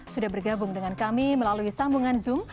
sudah bergabung dengan kami melalui sambungan zoom